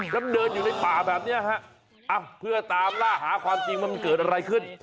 แล้วเดินอยู่ในป่าแบบนี้ฮะเพื่อตามล่าหาความจริงว่ามันเกิดอะไรขึ้น